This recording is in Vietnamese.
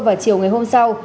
và chiều ngày hôm sau